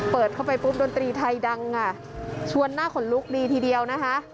เปิดเข้าไปปุ๊บดนตรีไทยดังอ่ะชวนหน้าขนลุกดีทีเดียวนะคะ